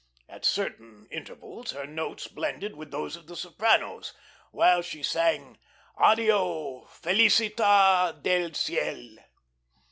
At certain intervals her notes blended with those of the soprano's while she sang: "Addio, felicita del ciel!"